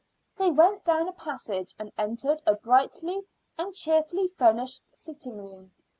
They went down a passage and entered a brightly and cheerfully furnished sitting room.